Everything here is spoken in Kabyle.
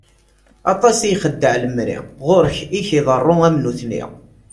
Aṭas i yexdeɛ lemri, ɣuṛ-k i k-tḍeṛṛu am nutni!